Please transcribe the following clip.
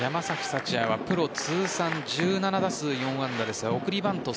福也はプロ通算１７打数４安打ですが送りバント